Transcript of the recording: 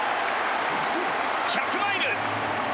１００マイル。